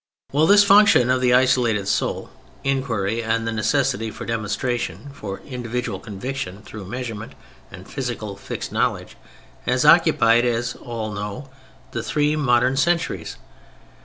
Well, this function of the isolated soul, inquiry and the necessity for demonstration for individual conviction through measurement and physical fixed knowledge, has occupied, as we all know, the three modern centuries.